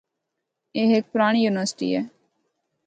اے ہک پرانڑی یونیورسٹی ہے۔